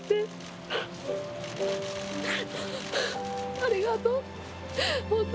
ありがとうって。